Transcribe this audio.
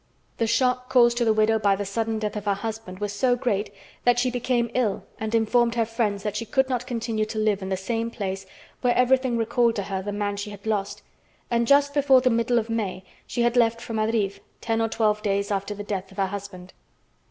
The shock caused to the widow by the sudden death of her husband was so great that she became ill and informed her friends that she could not continue to live in the same place where everything recalled to her the man she had lost, and just before the middle of May she had left for Madrid, ten or twelve days after the death of her husband.